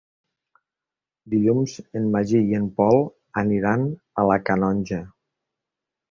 Dilluns en Magí i en Pol aniran a la Canonja.